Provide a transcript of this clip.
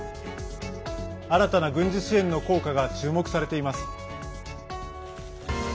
新たな軍事支援の効果が注目されています。